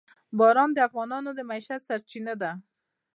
باران د افغانانو د معیشت سرچینه ده.